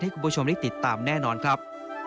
คุณผู้ชมได้ติดตามแน่นอนครับ